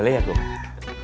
bolehnya tuh cuma empat